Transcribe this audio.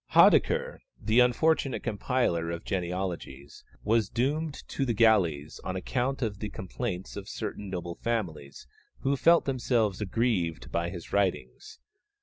Haudicquer, the unfortunate compiler of genealogies, was doomed to the galleys on account of the complaints of certain noble families who felt themselves aggrieved by his writings.